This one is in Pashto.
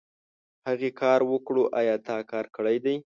هغې کار وکړو ايا تا کار کړی دی ؟